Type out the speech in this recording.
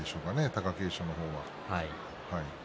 貴景勝の方は。